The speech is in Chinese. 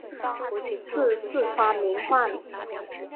祀四川名宦。